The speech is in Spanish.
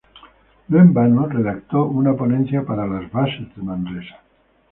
No en vano redactó una ponencia para las Bases de Manresa.